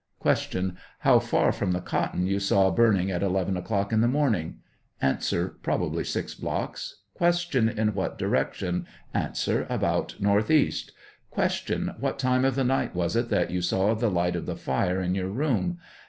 Q. How far from the cotton you saw burning at 11 o'clock in the morning ? A. Probably six blocks. Q. In what direction ? A. About northeast. Q. What time of the night was it that you saw the light of the fire in your room